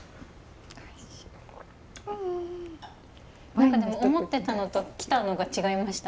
何かでも思ってたのと来たのが違いました！